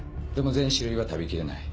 全種類は食べ切れない。